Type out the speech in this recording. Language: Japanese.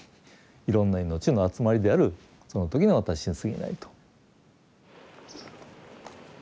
いろんな命の集まりであるその時の私にすぎないと。